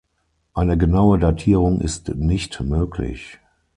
Eine genaue Datierung ist nicht möglich.